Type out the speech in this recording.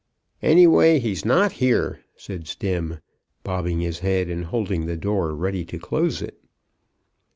"Anyways, he's not here," said Stemm, bobbing his head, and holding the door ready to close it.